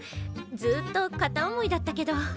ずっと片思いだったけど。